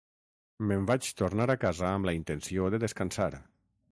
Me’n vaig tornar a casa amb la intenció de descansar.